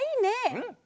うん！